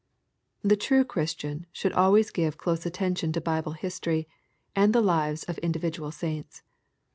The true Christian should always give close attention to Bible history, and the lives of individual saints.